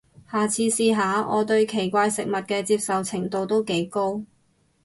下次試下，我對奇怪食物嘅接受程度都幾高